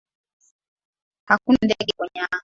Hakuna ndege kwenye anga.